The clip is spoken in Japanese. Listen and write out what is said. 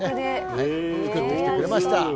作ってきてくれました。